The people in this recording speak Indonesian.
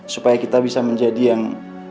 supaya kita bisa menjadi yang